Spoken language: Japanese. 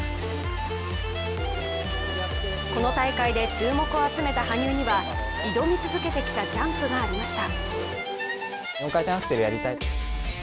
この大会で注目を集めた羽生には挑み続けてきたジャンプがありました。